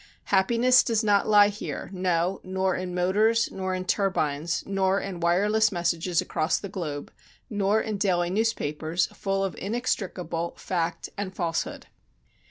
Happiness does not lie here, no, nor in motors, nor in turbines, nor in wireless messages across the globe, nor in daily newspapers full of inextricable fact and falsehood."